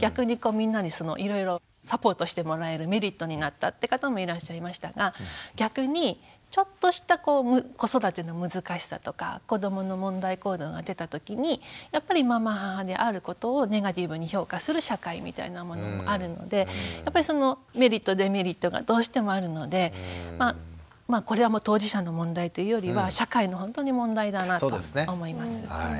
逆にみんなにいろいろサポートしてもらえるメリットになったって方もいらっしゃいましたが逆にちょっとした子育ての難しさとか子どもの問題行動が出た時にやっぱりまま母であることをネガティブに評価する社会みたいなものもあるのでやっぱりそのメリットデメリットがどうしてもあるのでこれはもう当事者の問題というよりは社会のほんとに問題だなと思います。